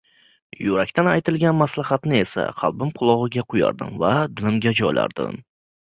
Yurakdan aytilgan maslahatni esa qalbim qulog‘iga quyardim va dilimga joylardim.